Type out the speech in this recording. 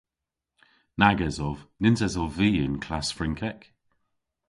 Nag esov. Nyns esov vy y'n klass Frynkek.